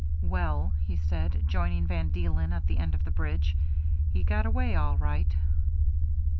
" Well," he said, joining WHISKEY JIM 349 Van Deelen at the end of the bridge, " he got away all right."